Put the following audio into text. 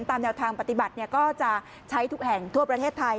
ตามแนวทางปฏิบัติก็จะใช้ทุกแห่งทั่วประเทศไทย